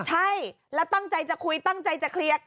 ใช่แล้วตั้งใจจะคุยตั้งใจจะเคลียร์